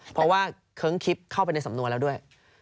เพราะว่าเคิ้งคลิปเข้าไปในสำนวนแล้วด้วย